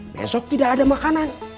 besok tidak ada makanan